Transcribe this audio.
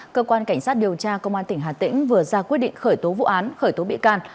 cơ quan cảnh sát điều tra công an tỉnh hà tĩnh vừa ra quyết định khởi tố vụ án khởi tố bị can